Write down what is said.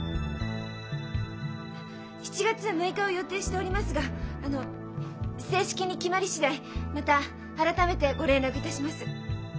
７月６日を予定しておりますがあの正式に決まり次第また改めてご連絡いたします。